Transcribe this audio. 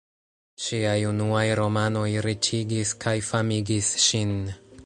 Ŝiaj unuaj romanoj riĉigis kaj famigis ŝin.